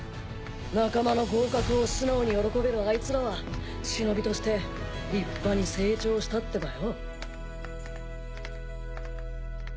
仲間の合格を素直に喜べるアイツらは忍として立派に成長したってばよ。